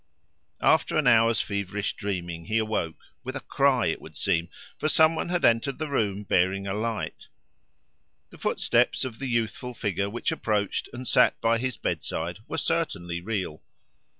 And after an hour's feverish dreaming he awoke—with a cry, it would seem, for some one had entered the room bearing a light. The footsteps of the youthful figure which approached and sat by his bedside were certainly real.